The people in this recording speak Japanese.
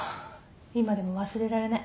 今でも忘れられない。